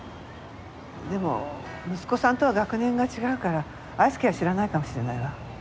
でも息子さんとは学年が違うから愛介は知らないかもしれないわ。